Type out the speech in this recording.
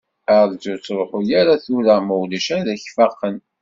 Rju, ur ttruḥ ara tura, ma ulac ad k-faqen.